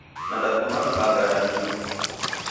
Nakunda mubangara ninyo.